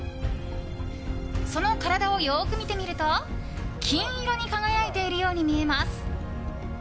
その体をよく見てみると金色に輝いているように見えます。